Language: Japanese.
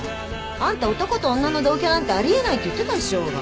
あんた男と女の同居なんてあり得ないって言ってたでしょうが。